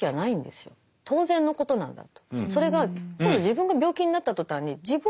当然のことなんだと。